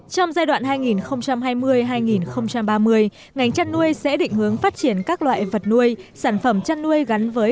trong giai đoạn hai nghìn hai mươi hai nghìn ba mươi ngành chăn nuôi sẽ định hướng phát triển các loại vật nuôi sản phẩm chăn nuôi gắn với